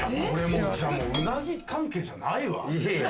うなぎ関係じゃないわ。